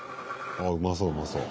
うまそううまそう。